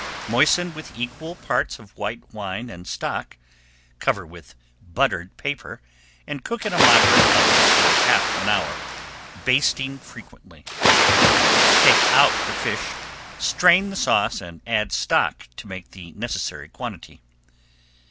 Moisten with equal parts [Page 66] of white wine and stock, cover with buttered paper, and cook in a moderate oven for half an hour, basting frequently. Take out the fish, strain the sauce, and add stock to make the necessary quantity.